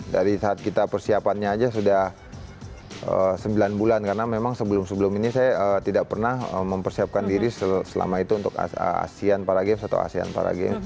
dari saat kita persiapannya aja sudah sembilan bulan karena memang sebelum sebelum ini saya tidak pernah mempersiapkan diri selama itu untuk asean para games atau asean para games